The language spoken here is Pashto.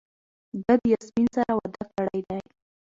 ده د یاسمین سره واده کړی دی.